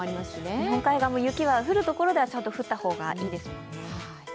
日本海側も雪は降るところは降った方がいいですもんね。